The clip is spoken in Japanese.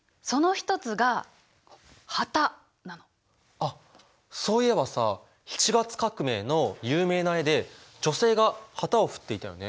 あっそういえばさ７月革命の有名な絵で女性が旗を振っていたよね。